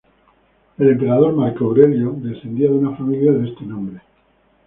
El emperador Marco Aurelio descendía de una familia de este nombre.